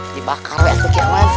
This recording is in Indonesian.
dibakar lezat kekiaman